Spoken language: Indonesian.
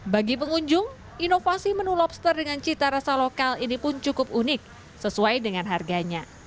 bagi pengunjung inovasi menu lobster dengan cita rasa lokal ini pun cukup unik sesuai dengan harganya